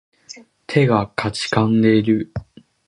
手が悴んでいる